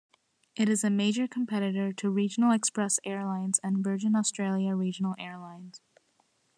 It is a major competitor to Regional Express Airlines and Virgin Australia Regional Airlines.